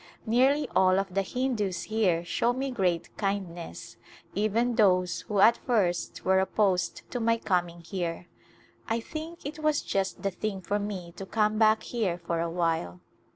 Nearly all of the Hindus here show me great kindness ; even those who at first were opposed to my coming here. I think it was just the thing for me to come back here for a while.